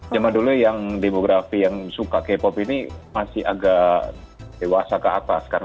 zaman dulu yang demografi yang suka k pop ini masih agak dewasa ke atas